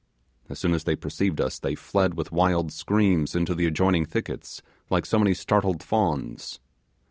As soon as they perceived us they fled with wild screams into the adjoining thickets, like so many startled fawns.